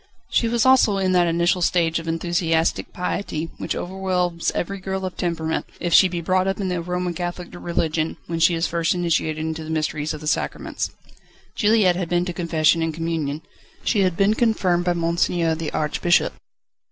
She was also in that initial stage of enthusiastic piety which overwhelms every girl of temperament, if she be brought up in the Roman Catholic religion, when she is first initiated into the mysteries of the Sacraments. Juliette had been to confession and communion. She had been confirmed by Monseigneur, the Archbishop.